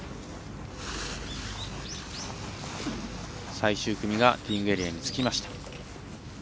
最終組がティーイングエリアに着きました。